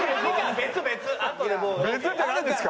別ってなんですか？